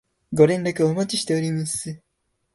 ご連絡お待ちしております